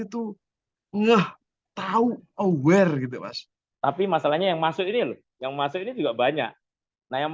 itu ngeh tahu aware gitu mas tapi masalahnya yang masuk ini loh yang masuk ini juga banyak nah yang